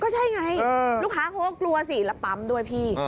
ใช่ไงลูกค้าเขาก็กลัวสิแล้วปั๊มด้วยพี่